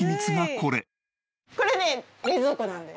これね冷蔵庫なんです。